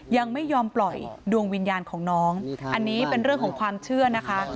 ยังไม่ยอมปล่อยดวงวิญญาณของน้องอันนี้เป็นเรื่องของความเชื่อนะคะ